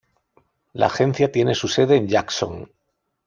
La agencia tiene su sede en Jackson.